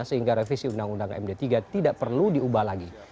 sehingga revisi undang undang md tiga tidak perlu diubah lagi